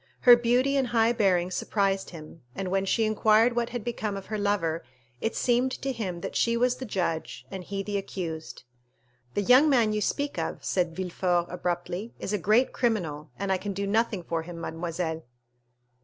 Her beauty and high bearing surprised him, and when she inquired what had become of her lover, it seemed to him that she was the judge, and he the accused. "The young man you speak of," said Villefort abruptly, "is a great criminal, and I can do nothing for him, mademoiselle."